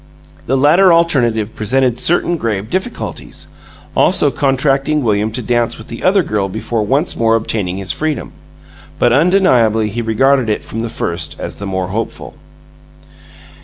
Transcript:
The latter alternative presented certain grave difficulties, also contracting William to dance with the other girl before once more obtaining his freedom, but undeniably he regarded it from the first as the more hopeful.